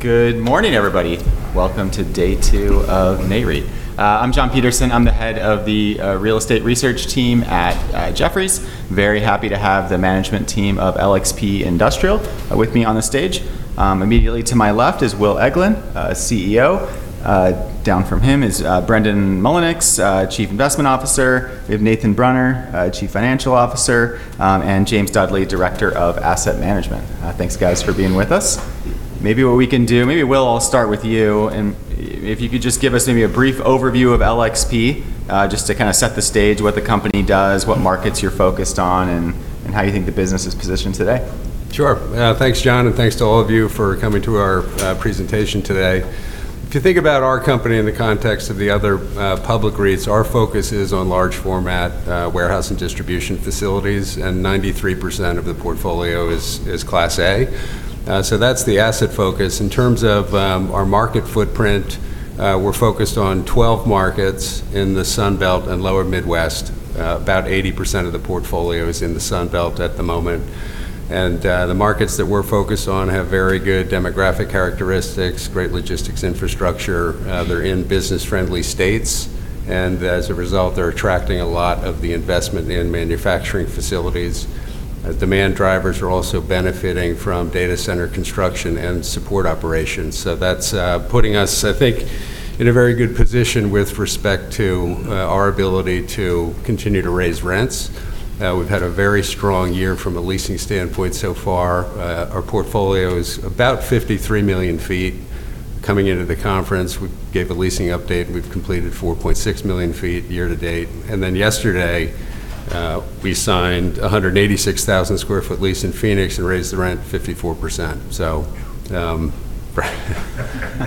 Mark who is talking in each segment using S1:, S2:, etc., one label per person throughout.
S1: Good morning, everybody. Welcome to day two of Nareit. I'm Jonathan Petersen. I'm the head of the real estate research team at Jefferies. Very happy to have the management team of LXP Industrial Trust with me on the stage. Immediately to my left is T. Wilson Eglin, CEO. Down from him is Brendan Mullinix, Chief Investment Officer. We have Nathan Brunner, Chief Financial Officer, and James Dudley, Director of Asset Management. Thanks, guys, for being with us. Maybe what we can do, maybe Will, I'll start with you. If you could just give us maybe a brief overview of LXP Industrial Trust, just to set the stage what the company does, what markets you're focused on, and how you think the business is positioned today.
S2: Sure. Thanks, Jon, thanks to all of you for coming to our presentation today. To think about our company in the context of the other public REITs, our focus is on large format warehouse and distribution facilities, 93% of the portfolio is Class A. That's the asset focus. In terms of our market footprint, we're focused on 12 markets in the Sun Belt and lower Midwest. About 80% of the portfolio is in the Sun Belt at the moment. The markets that we're focused on have very good demographic characteristics, great logistics infrastructure. They're in business-friendly states, as a result, they're attracting a lot of the investment in manufacturing facilities. Demand drivers are also benefiting from data center construction and support operations. That's putting us, I think, in a very good position with respect to our ability to continue to raise rents. We've had a very strong year from a leasing standpoint so far. Our portfolio is about 53 million sq ft. Coming into the conference, we gave a leasing update, we've completed 4.6 million sq ft year-to-date. Yesterday, we signed 186,000 sq ft lease in Phoenix and raised the rent 54%.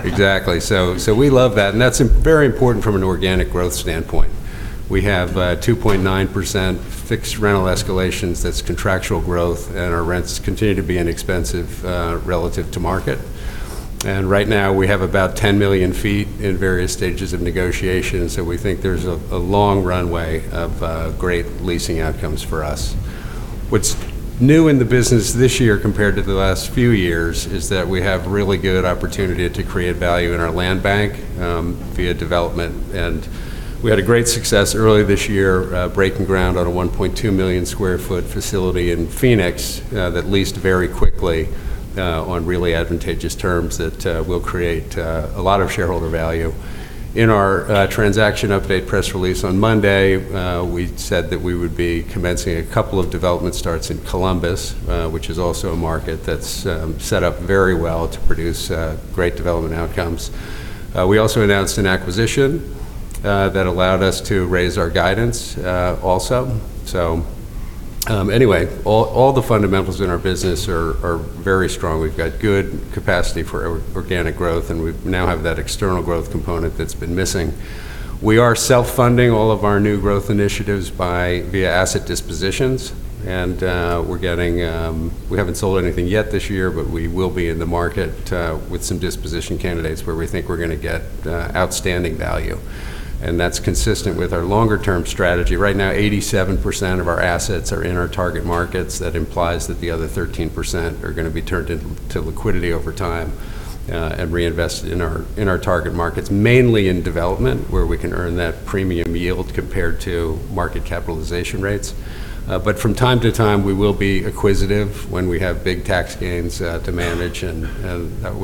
S2: Exactly. We love that, and that's very important from an organic growth standpoint. We have 2.9% fixed rental escalations. That's contractual growth, and our rents continue to be inexpensive relative to market. Right now, we have about 10 million sq ft in various stages of negotiation. We think there's a long runway of great leasing outcomes for us. What's new in the business this year compared to the last few years is that we have really good opportunity to create value in our land bank via development. We had a great success earlier this year, breaking ground on a 1.2-million square foot facility in Phoenix that leased very quickly on really advantageous terms that will create a lot of shareholder value. In our transaction update press release on Monday, we said that we would be commencing a couple of development starts in Columbus, which is also a market that's set up very well to produce great development outcomes. We also announced an acquisition that allowed us to raise our guidance also. Anyway, all the fundamentals in our business are very strong. We've got good capacity for organic growth, and we now have that external growth component that's been missing. We are self-funding all of our new growth initiatives via asset dispositions. We haven't sold anything yet this year, but we will be in the market with some disposition candidates where we think we're going to get outstanding value, and that's consistent with our longer-term strategy. Right now, 87% of our assets are in our target markets. That implies that the other 13% are going to be turned into liquidity-over-time and reinvested in our target markets, mainly in development, where we can earn that premium yield compared to market capitalization rates. From time to time, we will be acquisitive when we have big tax gains to manage, and that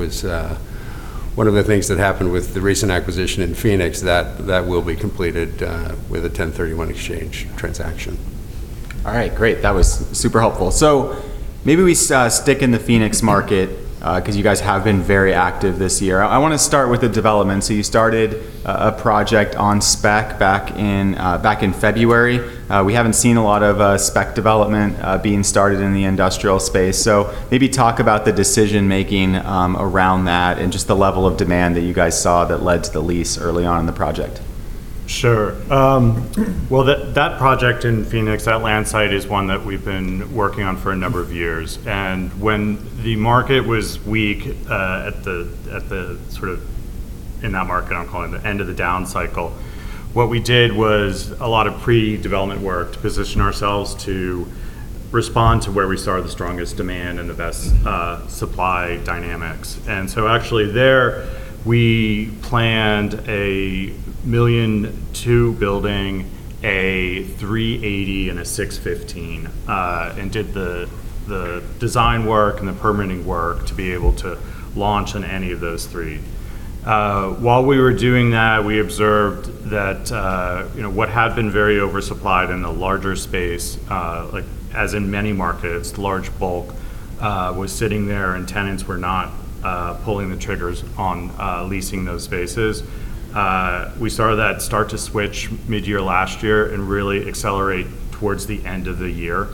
S2: was one of the things that happened with the recent acquisition in Phoenix, that will be completed with a 1031 exchange transaction.
S1: All right. Great. That was super helpful. Maybe we stick in the Phoenix market because you guys have been very active this year. I want to start with the development. You started a project on spec back in February. We haven't seen a lot of spec development being started in the industrial space. Maybe talk about the decision making around that and just the level of demand that you guys saw that led to the lease early on in the project.
S3: Sure. Well, that project in Phoenix, that land site is one that we've been working on for a number of years. When the market was weak in that market, I'm calling the end of the down cycle, what we did was a lot of pre-development work to position ourselves to respond to where we saw the strongest demand and the best supply dynamics. Actually there, we planned a 1.2 million building, a 380, and a 615, and did the design work and the permitting work to be able to launch on any of those three. While we were doing that, we observed that what had been very oversupplied in the larger space, as in many markets, large bulk was sitting there, and tenants were not pulling the triggers on leasing those spaces. We saw that start to switch mid-year last year and really accelerate towards the end of the year,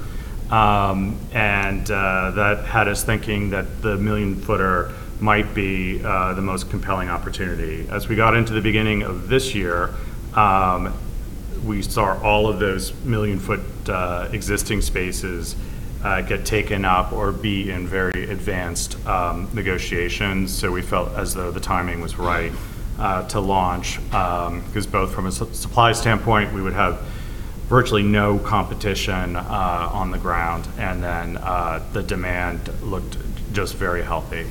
S3: and that had us thinking that the million-footer might be the most compelling opportunity. As we got into the beginning of this year, we saw all of those million-foot existing spaces get taken up or be in very advanced negotiations. We felt as though the timing was right to launch because both from a supply standpoint, we would have virtually no competition on the ground, and then the demand looked just very healthy.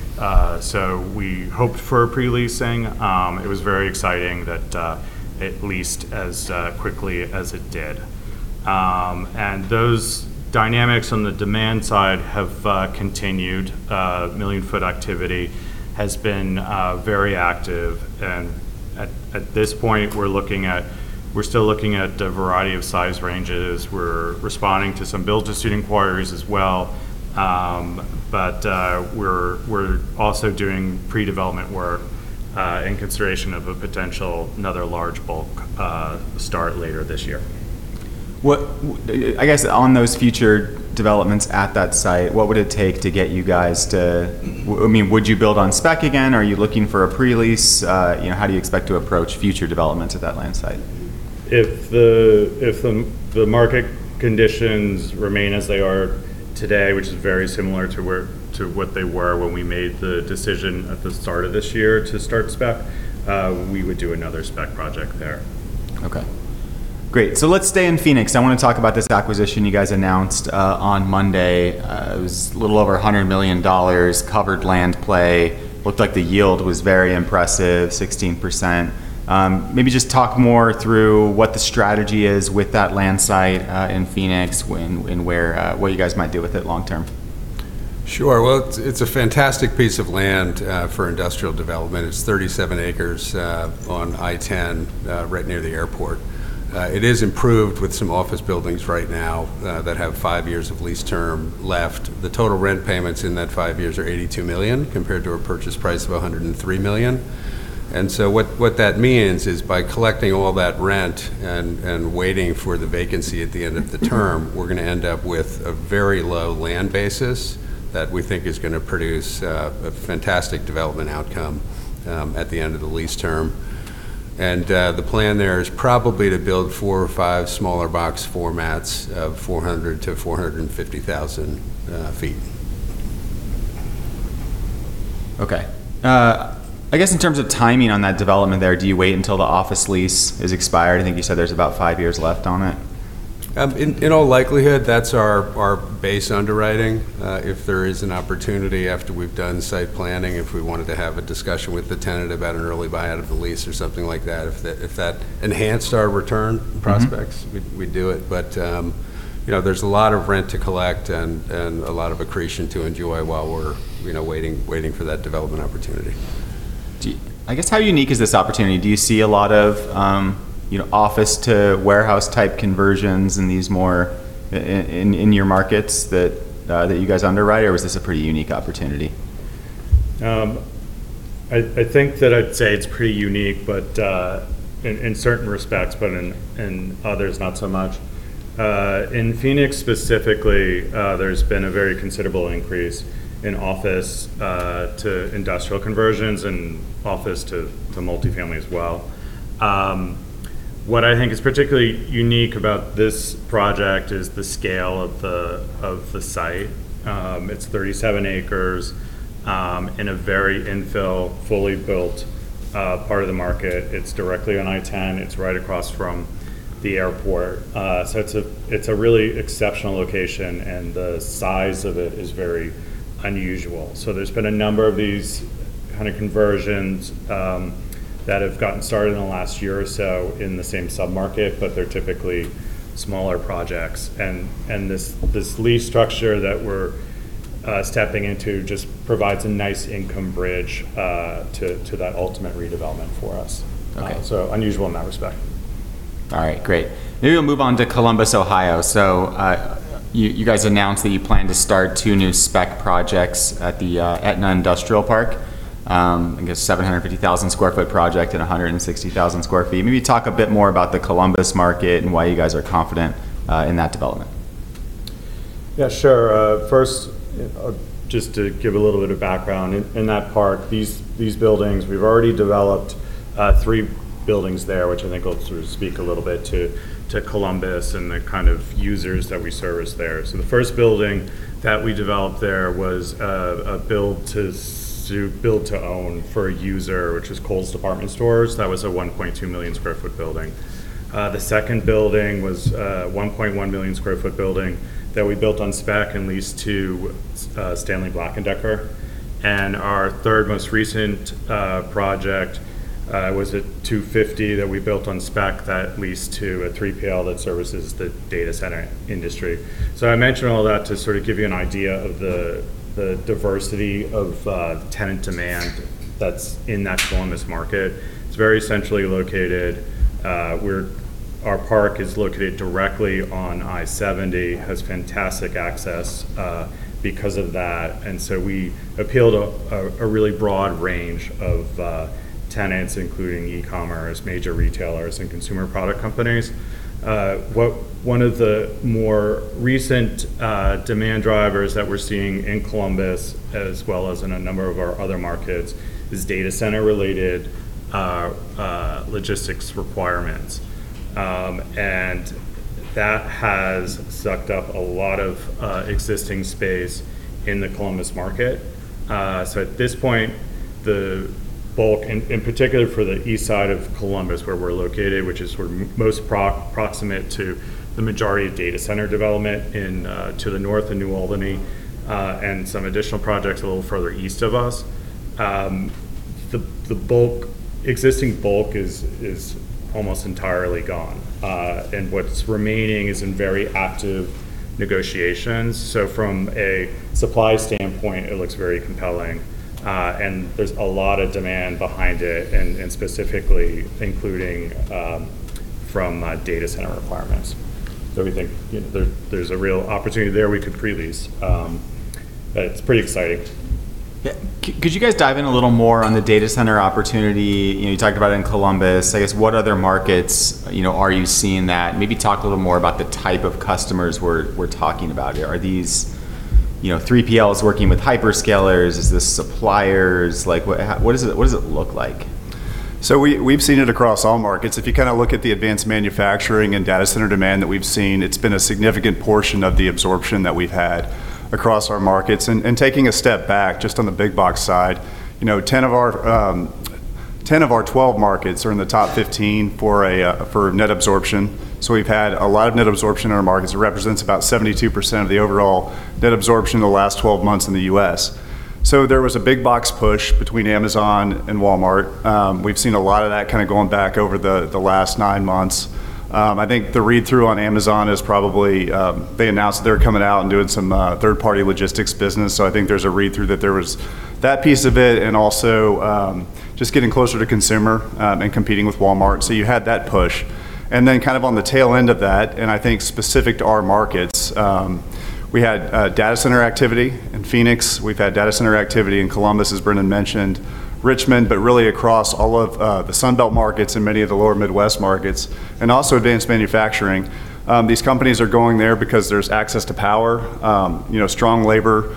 S3: We hoped for pre-leasing. It was very exciting that it leased as quickly as it did. Those dynamics on the demand side have continued. Million foot activity has been very active, and at this point, we're still looking at a variety of size ranges. We're responding to some build-to-suit inquiries as well. We're also doing pre-development work in consideration of a potential another large bulk start later this year.
S1: I guess on those future developments at that site, what would it take to get you guys to Would you build on spec again? Are you looking for a pre-lease? How do you expect to approach future developments at that land site?
S3: If the market conditions remain as they are today, which is very similar to what they were when we made the decision at the start of this year to start spec, we would do another spec project there.
S1: Okay. Great. Let's stay in Phoenix. I want to talk about this acquisition you guys announced on Monday. It was a little over $100 million, covered land play, looked like the yield was very impressive, 16%. Maybe just talk more through what the strategy is with that land site, in Phoenix, and what you guys might do with it long-term.
S2: Well, it's a fantastic piece of land for industrial development. It's 37 acres on I-10, right near the airport. It is improved with some office buildings right now, that have five years of lease term left. The total rent payments in that five years are $82 million, compared to a purchase price of $103 million. What that means is by collecting all that rent and waiting for the vacancy at the end of the term, we're going to end up with a very low land basis that we think is going to produce a fantastic development outcome, at the end of the lease-term. The plan there is probably to build four or five smaller box formats of 400,000-450,000 sq ft.
S1: Okay. I guess in terms of timing on that development there, do you wait until the office lease is expired? I think you said there's about five years left on it.
S2: In all likelihood, that's our base underwriting. If there is an opportunity after we've done site planning, if we wanted to have a discussion with the tenant about an early buyout of the lease or something like that, if that enhanced our return prospects. we'd do it. There's a lot of rent to collect and a lot of accretion to enjoy while we're waiting for that development opportunity.
S1: I guess how unique is this opportunity? Do you see a lot of office to warehouse type conversions in your markets that you guys underwrite, or was this a pretty unique opportunity?
S3: I think that I'd say it's pretty unique in certain respects, but in others not so much. In Phoenix specifically, there's been a very considerable increase in office to industrial conversions and office to multifamily as well. What I think is particularly unique about this project is the scale of the site. It's 37 acres, in a very infill, fully built part of the market. It's directly on I-10. It's right across from the airport. It's a really exceptional location, and the size of it is very unusual. There's been a number of these kind of conversions that have gotten started in the last year or so in the same sub-market, but they're typically smaller projects. This lease structure that we're stepping into just provides a nice income bridge to that ultimate redevelopment for us.
S1: Okay.
S3: Unusual in that respect.
S1: All right. Great. Maybe we'll move on to Columbus, Ohio. You guys announced that you plan to start two new spec projects at the Etna Industrial Park. I guess 750,000 sq ft project and 160,000 sq ft. Maybe talk a bit more about the Columbus market and why you guys are confident in that development.
S3: Yeah, sure. First, just to give a little bit of background. In that park, these buildings, we've already developed three buildings there, which I think will sort of speak a little bit to Columbus and the kind of users that we service there. So the first building that we developed there was built to own for a user, which was Kohl's Department Stores. That was a 1.2 million square foot building. The second building was a 1.1 million square foot building that we built on spec and leased to Stanley Black & Decker. And our third most recent project was a 250 that we built on spec that leased to a 3PL that services the data center industry. I mention all that to sort of give you an idea of the diversity of tenant demand that's in that Columbus market. It's very centrally located. Our park is located directly on I-70, has fantastic access because of that. We appeal to a really broad range of tenants, including e-commerce, major retailers, and consumer product companies. One of the more recent demand drivers that we're seeing in Columbus, as well as in a number of our other markets, is data center related logistics requirements. That has sucked up a lot of existing space in the Columbus market. At this point, the bulk, and in particular for the east side of Columbus where we're located, which is most proximate to the majority of data center development to the north in New Albany, and some additional projects a little further east of us. The existing bulk is almost entirely gone. What's remaining is in very active negotiations. From a supply standpoint, it looks very compelling. There's a lot of demand behind it, and specifically including from data center requirements. We think there's a real opportunity there we could pre-lease. It's pretty exciting.
S1: Yeah. Could you guys dive in a little more on the data center opportunity? You talked about it in Columbus. I guess, what other markets are you seeing that? Maybe talk a little more about the type of customers we're talking about here. Are these 3PLs working with hyperscalers? Is this suppliers? What does it look like?
S4: We've seen it across all markets. If you look at the advanced manufacturing and data center demand that we've seen, it's been a significant portion of the absorption that we've had across our markets. Taking a step back, just on the big box side, 10 of our 12 markets are in the top 15 for net absorption. We've had a lot of net absorption in our markets. It represents about 72% of the overall net absorption in the last 12 months in the U.S. There was a big box push between Amazon and Walmart. We've seen a lot of that going back over the last nine months. I think the read-through on Amazon is probably, they announced that they're coming out and doing some third-party logistics business, so I think there's a read-through that there was that piece of it and also just getting closer to consumer and competing with Walmart. You had that push. On the tail end of that, and I think specific to our markets, we had data center activity in Phoenix. We've had data center activity in Columbus, as Brendan mentioned, Richmond, but really across all of the Sun Belt markets and many of the lower Midwest markets, and also advanced manufacturing. These companies are going there because there's access to power, strong labor,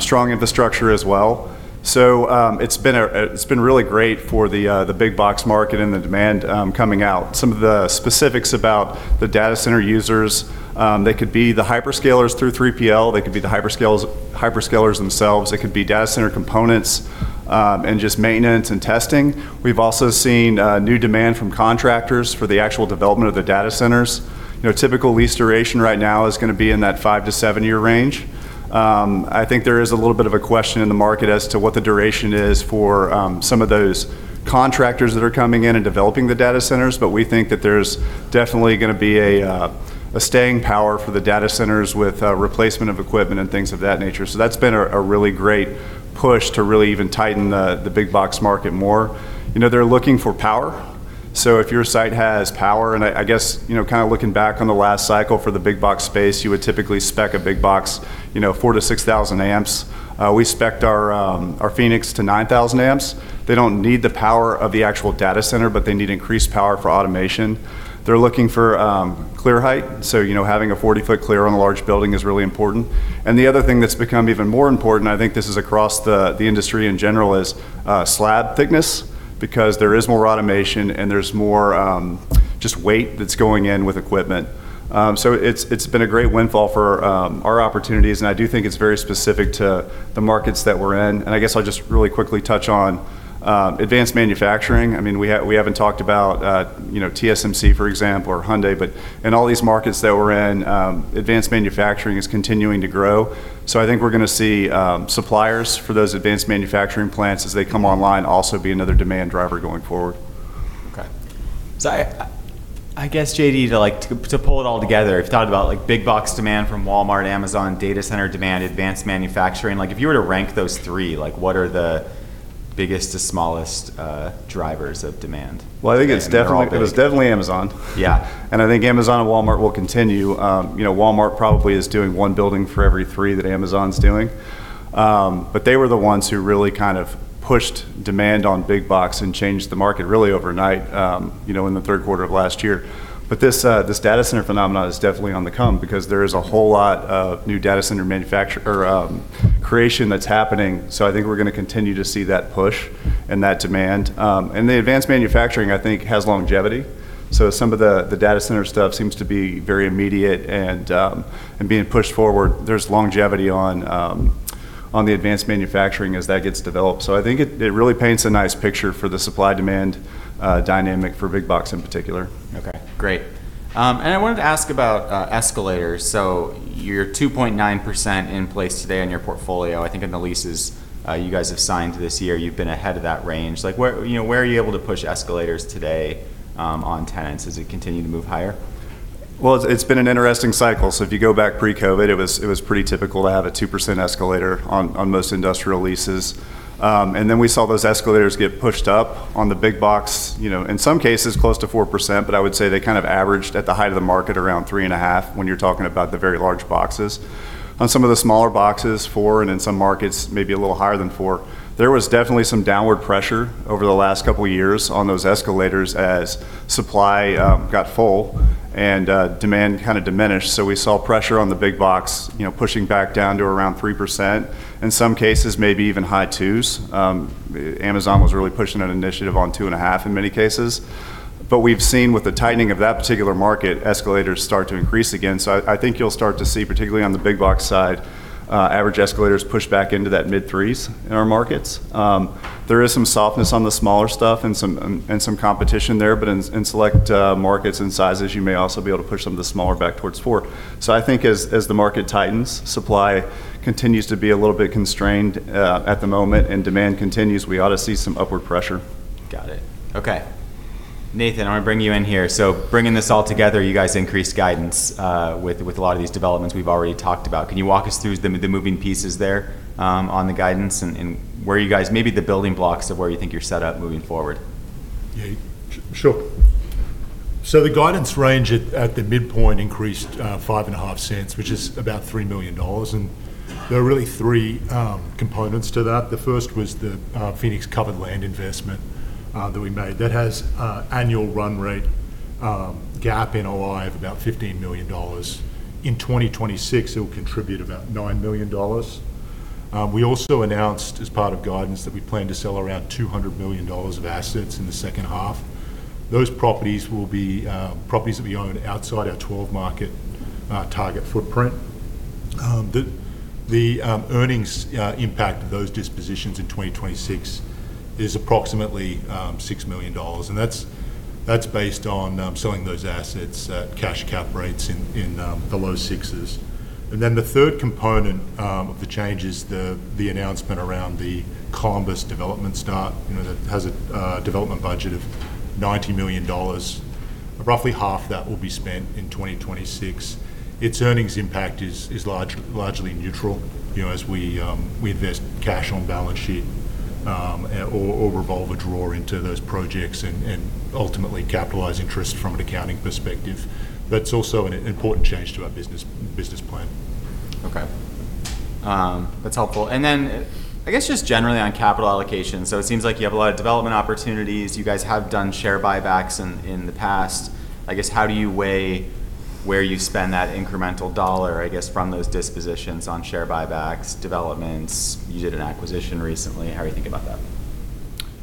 S4: strong infrastructure as well. It's been really great for the big box market and the demand coming out. Some of the specifics about the data center users, they could be the hyperscalers through 3PL, they could be the hyperscalers themselves, they could be data center components, and just maintenance and testing. We've also seen new demand from contractors for the actual development of the data centers. Typical lease duration right now is going to be in that five to seven-year range. I think there is a little bit of a question in the market as to what the duration is for some of those contractors that are coming in and developing the data centers. We think that there's definitely going to be a staying power for the data centers with replacement of equipment and things of that nature. That's been a really great push to really even tighten the big box market more. They're looking for power. If your site has power, and I guess looking back on the last cycle for the big box space, you would typically spec a big box 4,000 to 6,000 amps. We specced our Phoenix to 9,000 amps. They don't need the power of the actual data center, but they need increased power for automation. They're looking for clear height. Having a 40-foot clear on a large building is really important. The other thing that's become even more important, I think this is across the industry in general, is slab thickness, because there is more automation and there's more just weight that's going in with equipment. It's been a great windfall for our opportunities, and I do think it's very specific to the markets that we're in. I guess I'll just really quickly touch on advanced manufacturing. We haven't talked about TSMC, for example, or Hyundai, in all these markets that we're in, advanced manufacturing is continuing to grow. I think we're going to see suppliers for those advanced manufacturing plants as they come online also be another demand driver going forward.
S1: I guess, JD, to pull it all together, we've talked about big box demand from Walmart, Amazon, data center demand, advanced manufacturing. If you were to rank those three, what are the biggest to smallest drivers of demand?
S4: Well, I think it's definitely Amazon.
S1: Yeah.
S4: I think Amazon and Walmart will continue. Walmart probably is doing one building for every three that Amazon's doing. They were the ones who really pushed demand on big box and changed the market really overnight in the third quarter of last year. This data center phenomena is definitely on the come because there is a whole lot of new data center creation that's happening. I think we're going to continue to see that push and that demand. The advanced manufacturing, I think, has longevity. Some of the data center stuff seems to be very immediate and being pushed forward. There's longevity on the advanced manufacturing as that gets developed. I think it really paints a nice picture for the supply-demand dynamic for big box in particular.
S1: Okay, great. I wanted to ask about escalators. Your 2.9% in place today on your portfolio, I think in the leases you guys have signed this year, you've been ahead of that range. Where are you able to push escalators today on tenants as you continue to move higher?
S4: Well, it's been an interesting cycle. If you go back pre-COVID, it was pretty typical to have a 2% escalator on most industrial leases. We saw those escalators get pushed up on the big box, in some cases, close to 4%, but I would say they averaged at the height of the market around three and a half when you're talking about the very large boxes. On some of the smaller boxes, four, and in some markets, maybe a little higher than four. There was definitely some downward pressure over the last couple of years on those escalators as supply got full and demand diminished. We saw pressure on the big box, pushing back down to around 3%. In some cases, maybe even high twos. Amazon was really pushing an initiative on two and a half in many cases. We've seen with the tightening of that particular market, escalators start to increase again. I think you'll start to see, particularly on the big box side, average escalators push back into that mid-threes in our markets. There is some softness on the smaller stuff and some competition there. In select markets and sizes, you may also be able to push some of the smaller back towards four. I think as the market tightens, supply continues to be a little bit constrained at the moment, and demand continues, we ought to see some upward pressure.
S1: Got it. Okay. Nathan, I'm going to bring you in here. Bringing this all together, you guys increased guidance, with a lot of these developments we've already talked about. Can you walk us through the moving pieces there, on the guidance and maybe the building blocks of where you think you're set up moving forward?
S5: Yeah, sure. The guidance range at the midpoint increased $0.055, which is about $3 million. There are really three components to that. The first was the Phoenix covered land investment that we made. That has annual run-rate GAAP NOI of about $15 million. In 2026, it will contribute about $9 million. We also announced as part of guidance that we plan to sell around $200 million of assets in the second half. Those properties will be properties that we own outside our 12-market target footprint. The earnings impact of those dispositions in 2026 is approximately $6 million, and that's based on selling those assets at cash cap rates in the low sixes. The third component of the change is the announcement around the Columbus development start. That has a development budget of $90 million. Roughly half that will be spent in 2026. Its earnings impact is largely neutral, as we invest cash on balance sheet, or revolve draw into those projects and ultimately capitalize interest from an accounting perspective. That's also an important change to our business plan.
S1: Okay. That's helpful. I guess just generally on capital allocation, it seems like you have a lot of development opportunities. You guys have done share buybacks in the past. I guess, how do you weigh where you spend that incremental dollar, I guess, from those dispositions on share buybacks, developments? You did an acquisition recently. How are you thinking about that?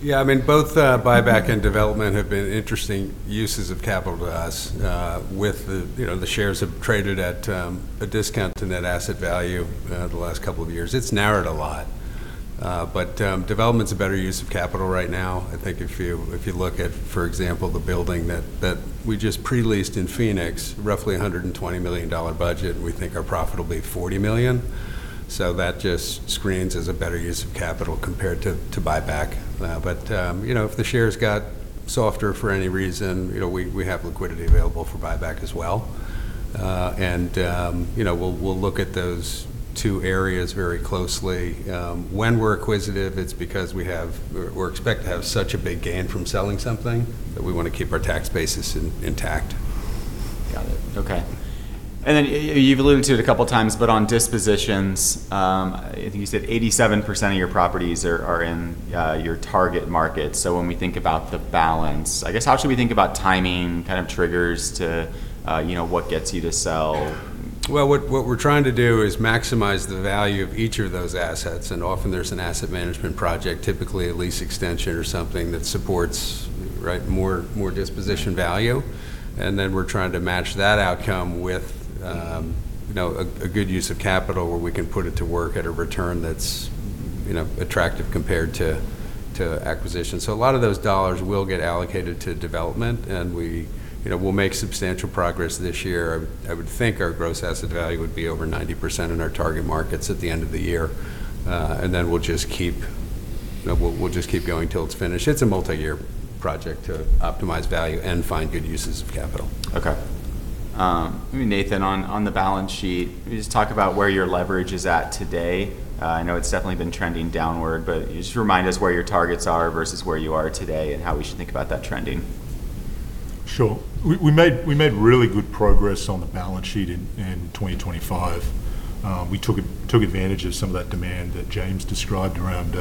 S2: Yeah, both buyback and development have been interesting uses of capital to us. The shares have traded at a discount to net asset value the last couple of years. It's narrowed a lot. Development's a better use of capital right now. I think if you look at, for example, the building that we just pre-leased in Phoenix, roughly $120 million budget, and we think our profit will be $40 million. That just screens as a better use of capital compared to buyback. If the shares got softer for any reason, we have liquidity available for buyback as well. We'll look at those two areas very closely. When we're acquisitive, it's because we expect to have such a big gain from selling something that we want to keep our tax basis intact.
S1: Got it. Okay. You've alluded to it a couple of times, but on dispositions, I think you said 87% of your properties are in your target market. When we think about the balance, I guess, how should we think about timing kind of triggers to what gets you to sell?
S2: Well, what we're trying to do is maximize the value of each of those assets, and often there's an asset management project, typically a lease extension or something that supports more disposition value. We're trying to match that outcome with a good use of capital where we can put it to work at a return that's attractive compared to acquisition. A lot of those dollars will get allocated to development, and we'll make substantial progress this year. I would think our gross asset value would be over 90% in our target markets at the end of the year. We'll just keep going till it's finished. It's a multi-year project to optimize value and find good uses of capital.
S1: Okay. Maybe Nathan, on the balance sheet, can you just talk about where your leverage is at today? I know it's definitely been trending downward, but can you just remind us where your targets are versus where you are today and how we should think about that trending?
S5: Sure. We made really good progress on the balance sheet in 2025. We took advantage of some of that demand that James described around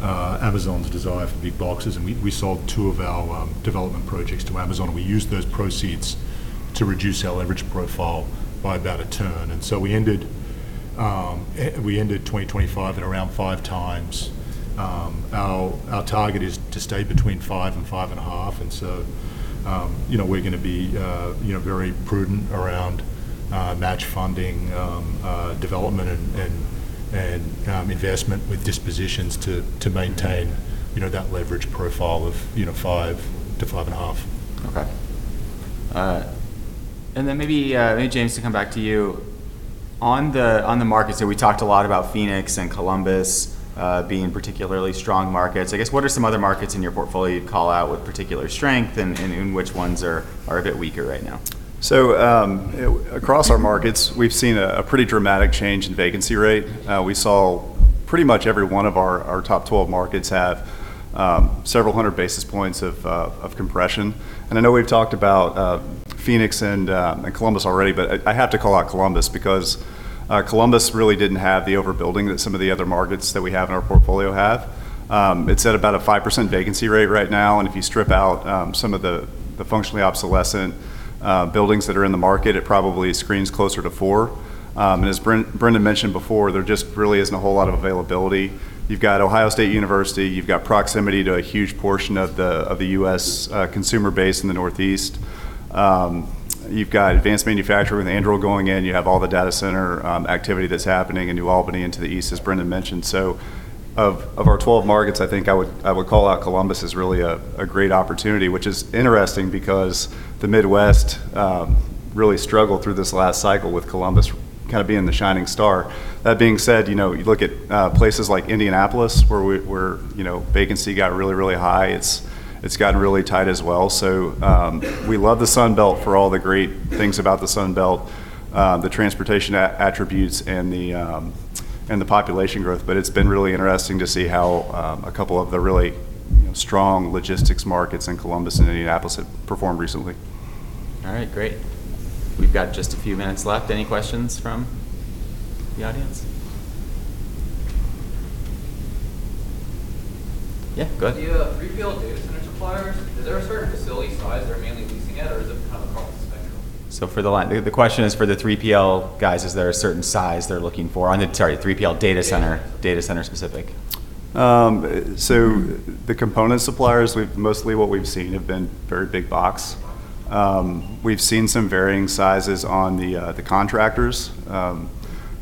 S5: Amazon's desire for big boxes, and we sold two of our development projects to Amazon, and we used those proceeds to reduce our leverage profile by about a turn. We ended 2025 at around 5x. Our target is to stay between five and five and a half. We're going to be very prudent around match funding development and investment with dispositions to maintain that leverage profile of five to five and a half.
S1: Okay. Maybe, James, to come back to you. On the markets that we talked a lot about Phoenix and Columbus being particularly strong markets. I guess, what are some other markets in your portfolio you'd call out with particular strength, and which ones are a bit weaker right now?
S4: Across our markets, we've seen a pretty dramatic change in vacancy rate. We saw pretty much every one of our top 12 markets have several hundred basis points of compression. I know we've talked about Phoenix and Columbus already. I have to call out Columbus because Columbus really didn't have the overbuilding that some of the other markets that we have in our portfolio have. It's at about a 5% vacancy rate right now. If you strip out some of the functionally obsolescent buildings that are in the market, it probably screens closer to four. As Brendan mentioned before, there just really isn't a whole lot of availability. You've got The Ohio State University. You've got proximity to a huge portion of the U.S. consumer base in the Northeast. You've got advanced manufacturing with Anduril going in. You have all the data center activity that's happening in New Albany and to the east, as Brendan mentioned. Of our 12 markets, I think I would call out Columbus as really a great opportunity, which is interesting because the Midwest really struggled through this last cycle with Columbus kind of being the shining star. That being said, you look at places like Indianapolis where vacancy got really, really high. It's gotten really tight as well. We love the Sun Belt for all the great things about the Sun Belt, the transportation attributes, and the population growth. It's been really interesting to see how a couple of the really strong logistics markets in Columbus and Indianapolis have performed recently.
S1: All right, great. We've got just a few minutes left. Any questions from the audience? Yeah, go ahead.
S6: The 3PL data center suppliers, is there a certain facility size they're mainly leasing at, or is it kind of across the spectrum?
S1: For the line, the question is for the 3PL guys, is there a certain size they're looking for on the, sorry, 3PL data center?
S6: Yeah
S1: data center specific.
S4: The component suppliers, mostly what we've seen have been very big box. We've seen some varying sizes on the contractors.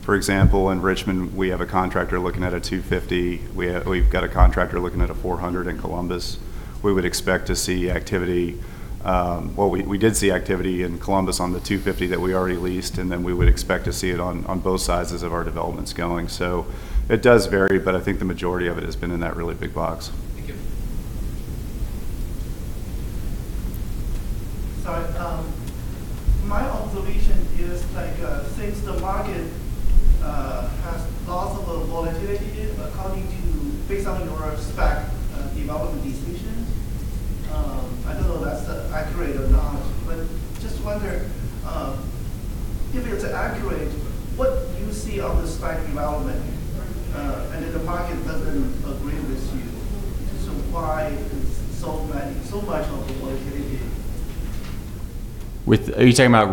S4: For example, in Richmond, we have a contractor looking at a 250. We've got a contractor looking at a 400 in Columbus. We would expect to see activity, well, we did see activity in Columbus on the 250 that we already leased, we would expect to see it on both sides of our developments going. It does vary, but I think the majority of it has been in that really big box.
S6: Thank you. Sorry. My observation is since the market has lots of volatility, how do you base on your spec development decisions? I don't know if that's accurate or not, just wonder, if it's accurate, what you see on the spec development, and then the market doesn't agree with you. Why so much of the volatility?
S1: Are you talking about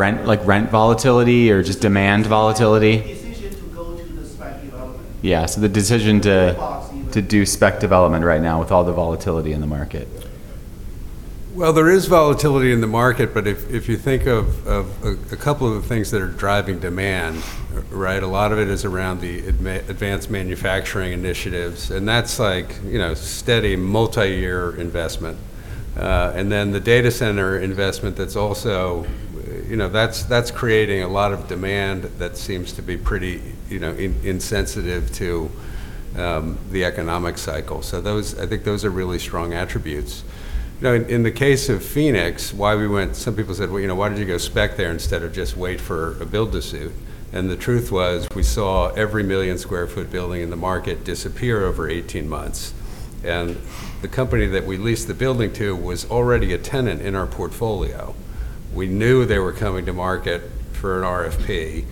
S1: rent volatility or just demand volatility?
S6: Decision to go to the spec development.
S1: Yeah.
S6: Box even
S1: to do spec development right now with all the volatility in the market.
S2: Well, there is volatility in the market. If you think of a couple of the things that are driving demand, right? A lot of it is around the advanced manufacturing initiatives, and that's steady multi-year investment. The data center investment that's also creating a lot of demand that seems to be pretty insensitive to the economic cycle. I think those are really strong attributes. In the case of Phoenix, some people said, "Well, why did you go spec there instead of just wait for a build-to-suit?" The truth was, we saw every 1 million square foot building in the market disappear over 18 months. The company that we leased the building to was already a tenant in our portfolio. We knew they were coming to market for an RFP,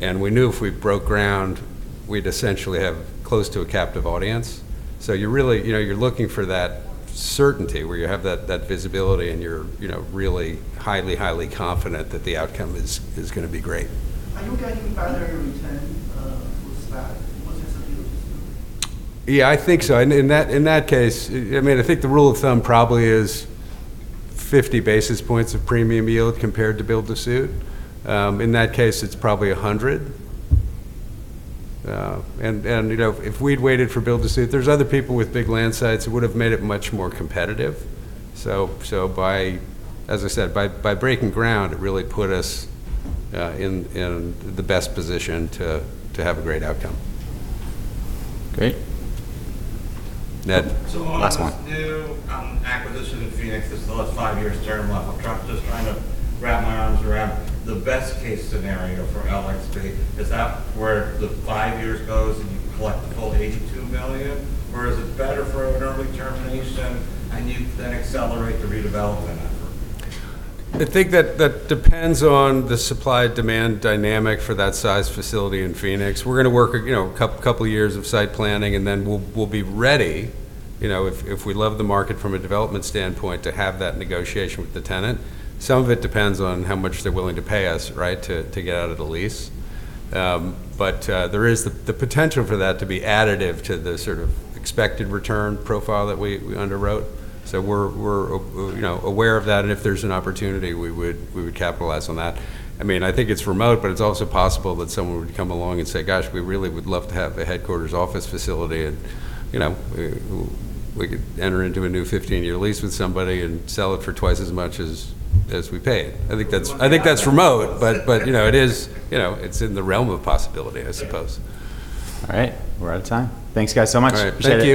S2: and we knew if we broke ground, we'd essentially have close to a captive audience. You're looking for that certainty where you have that visibility and you're really highly confident that the outcome is going to be great.
S6: Are you getting better return with spec in what you're just doing?
S2: Yeah, I think so. In that case, I think the rule of thumb probably is 50 basis points of premium yield compared to build-to-suit. In that case it's probably 100. If we'd waited for build-to-suit, there's other people with big land sites, it would've made it much more competitive. As I said, by breaking ground, it really put us in the best position to have a great outcome.
S1: Great. Ned. Last one.
S6: On this new acquisition in Phoenix, this is the last five-years term. I am just trying to wrap my arms around the best case scenario for LXP. Is that where the five-years goes and you collect the full $82 million, or is it better for an early termination and you then accelerate the redevelopment effort?
S2: I think that depends on the supply-demand dynamic for that size facility in Phoenix. We're going to work a couple years of site planning, then we'll be ready if we love the market from a development standpoint to have that negotiation with the tenant. Some of it depends on how much they're willing to pay us to get out of the lease. There is the potential for that to be additive to the sort of expected return profile that we underwrote. We're aware of that, and if there's an opportunity, we would capitalize on that. I think it's remote, but it's also possible that someone would come along and say, "Gosh, we really would love to have a headquarters office facility." We could enter into a new 15-year lease with somebody and sell it for twice as much as we paid. I think that's remote, but it's in the realm of possibility, I suppose.
S1: All right. We're out of time. Thanks guys so much. Appreciate it.